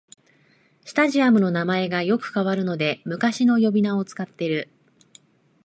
スタジアムの名前がよく変わるので昔の呼び名を使ってる